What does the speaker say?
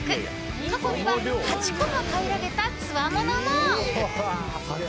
過去には、８個も平らげたつわものも。